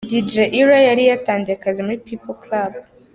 Dj Ira yari yatangiye akazi muri 'Peaple club'.